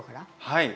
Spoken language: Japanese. はい。